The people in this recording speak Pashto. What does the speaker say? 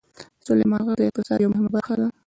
سلیمان غر د اقتصاد یوه مهمه برخه ده.